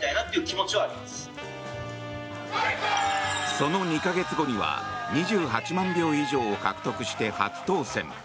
その２か月後には２８万票以上を獲得して初当選。